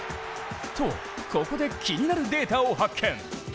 と、ここで気になるデータを発見。